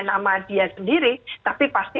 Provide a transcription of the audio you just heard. nama dia sendiri tapi pasti